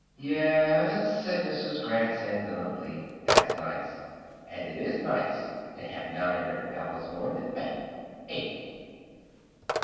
"Y e s," said Mrs. Gratz indolently, "that's nice. And it is nice to have nine hundred dollars more in the bank, ain't it?"